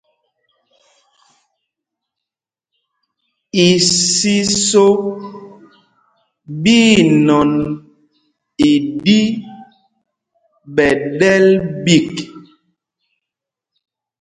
Isiso ɓí inɔn i ɗi ɓɛ̌ ɗɛ́l ɓîk.